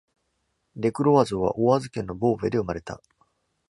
デクロワゾーはオワーズ県のボーヴェで生まれた。